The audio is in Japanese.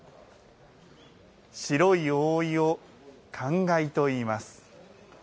白い覆いを菅蓋といいます。